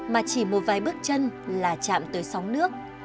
mà chỉ một vài bước chân là chạm tới sóng nước